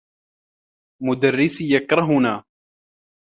مدرّسي يكرهنا.